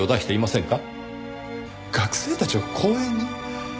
学生たちを公園に？